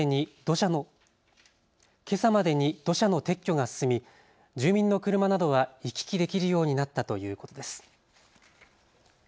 けさまでに土砂の撤去が進み住民の車などは行き来できるようになったということです。